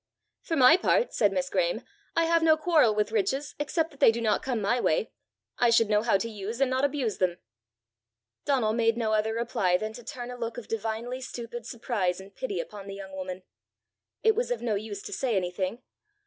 "For my part," said Miss Graeme, "I have no quarrel with riches except that they do not come my way. I should know how to use and not abuse them!" Donal made no other reply than to turn a look of divinely stupid surprise and pity upon the young woman. It was of no use to say anything!